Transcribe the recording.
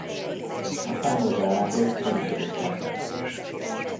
Aztán hozzálátott, hogy megkösse.